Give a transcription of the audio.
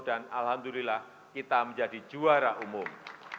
dan alhamdulillah kita menjadi juara umum